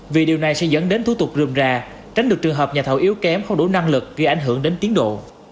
vì điều này sẽ dẫn đến thủ tục rươm rà tránh được trường hợp nhà thầu yếu kém không đủ năng lực gây ảnh hưởng đến tiến độ